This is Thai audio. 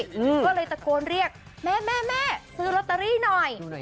ก็เลยตะโกนเรียกแม่แม่แม่ซื้อลอตเตอรี่หน่อย